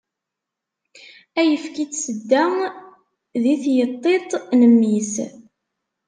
Ayefki n tsedda di tyeṭṭit n mmi-s.